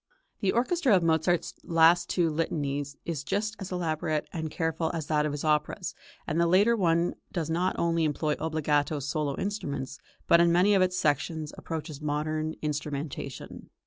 The orchestra of Mozart's two last Litanies is just as elaborate and careful as that of his operas, and the later one does not only employ obbligato solo instruments, but in many of its sections approaches modern instrumentation.